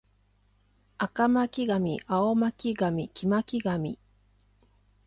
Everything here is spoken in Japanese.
赤巻上青巻紙黄巻紙